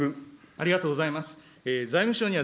ありがとうございます。